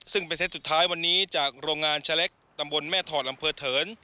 ซึ่งเป็นเซตสุดท้ายวันนี้จากโรงงานชะเล็กตำบลแม่ถอดอำเภอเถิน